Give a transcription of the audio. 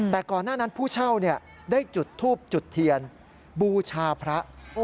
แต่ก่อนหน้านั้นผู้เช่าได้จุดทูบจุดเทียนบูชาพระ